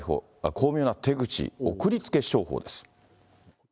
巧妙な手口、送りつけ商法です。